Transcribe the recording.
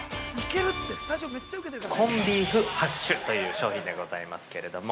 ◆コンビーフハッシュという商品でございますけれども。